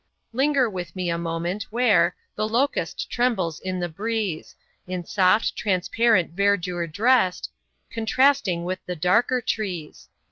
Linger with me a moment, where The LOCUST trembles in the breeze, In soft, transparent verdure drest, Contrasting with the darker trees.